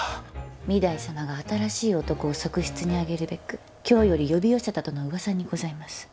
御台様が新しい男を側室に上げるべく京より呼び寄せたとの噂にございます。